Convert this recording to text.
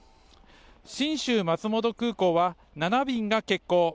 信州まつもと空港は、７便が欠航。